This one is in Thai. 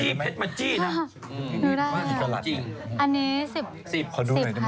พี่เผ็ดมาจี้น่ะ